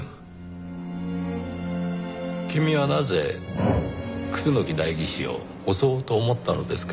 君はなぜ楠木代議士を襲おうと思ったのですか？